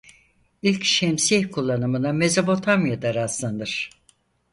İlk şemsiye kullanımına Mezopotamya'da rastlanır.